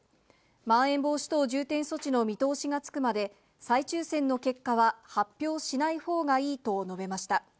まん延防止等重点措置の見通しがつくまで、再抽せんの結果は発表しないほうがいいと述べました。